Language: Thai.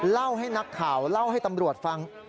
เล่าให้นักข่าวเล่าให้ตำรวจฟัง